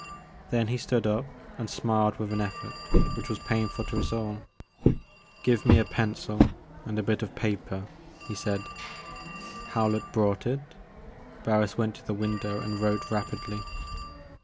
Then he stood up, and smiled with an e£fort which was painful to us all. '* Give me a pencil and a bit of paper, " he said. Howlett brought it. Barris went to the window and wrote rapidly.